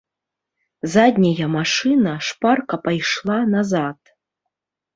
Задняя машына шпарка пайшла назад.